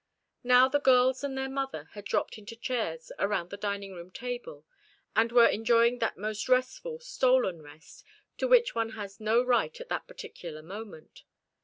Now the girls and their mother had dropped into chairs around the dining room table, and were enjoying that most restful stolen rest, to which one has no right at that particular moment.